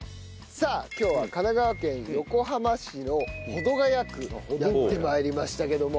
さあ今日は神奈川県横浜市の保土ケ谷区やって参りましたけども。